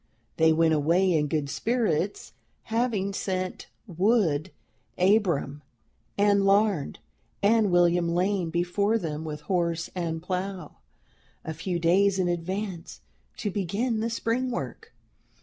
They went away in good spirits, having sent 'Wood Abram' and Larned, and William Lane before them with horse and plow, a few days in advance, to begin the spring work.